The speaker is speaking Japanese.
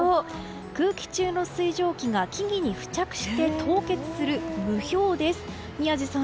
空気中の水蒸気が木々に付着して凍結する霧氷です。